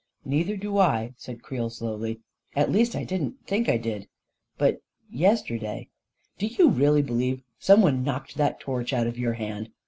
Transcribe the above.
" Neither do I," said Creel slowly. " At least, I didn't think I did — but yesterday ..."" Do you really believe some one knocked that torch out of your hand?